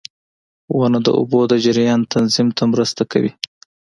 • ونه د اوبو د جریان تنظیم ته مرسته کوي.